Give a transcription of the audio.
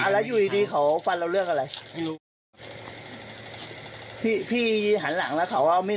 อ๋อแล้วอยู่ดีเขาฟันเราเลือกอะไร